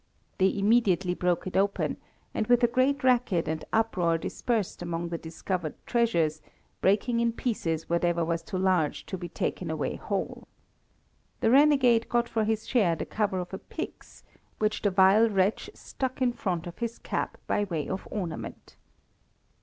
They immediately broke it open, and with a great racket and uproar dispersed among the discovered treasures, breaking in pieces whatever was too large to be taken away whole. The renegade got for his share the cover of a pyx, which the vile wretch stuck in front of his cap by way of ornament.